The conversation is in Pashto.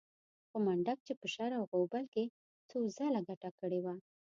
خو منډک چې په شر او غوبل کې څو ځله ګټه کړې وه.